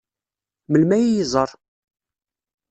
Melmi ad iyi-iẓeṛ?